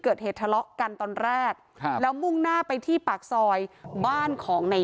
เกิดเหตุทะเลาะกันตอนแรกครับแล้วมุ่งหน้าไปที่ปากซอยบ้านของใน